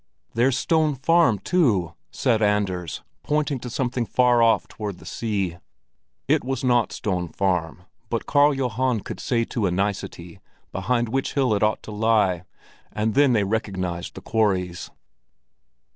"There's Stone Farm, too," said Anders, pointing to something far off toward the sea. It was not Stone Farm, but Karl Johan could say to a nicety behind which hill it ought to lie, and then they recognized the quarries.